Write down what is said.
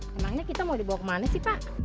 memangnya kita mau dibawa kemana sih pak